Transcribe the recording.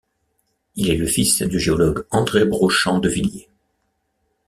Il est le fils du géologue André Brochant de Villiers.